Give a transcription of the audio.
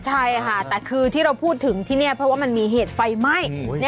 ใช่ค่ะแต่คือที่เราพูดถึงที่นี่เพราะว่ามันมีเหตุไฟไหม้